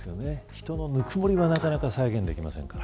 人のぬくもりはなかなか再現できませんから。